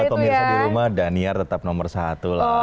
buat om irsa di rumah daniar tetap nomor satu lah